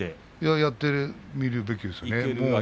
やってみるべきですよね。